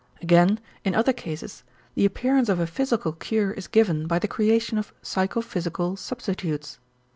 Again in other cases, the appearance of a physical cure is given by the creation of psychophysical substitutes.